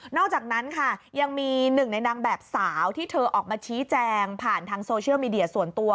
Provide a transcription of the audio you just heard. อกจากนั้นค่ะยังมีหนึ่งในนางแบบสาวที่เธอออกมาชี้แจงผ่านทางโซเชียลมีเดียส่วนตัว